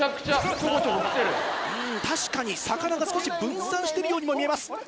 確かに魚が少し分散してるようにも見えます。